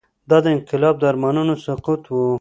دا د انقلاب د ارمانونو سقوط و.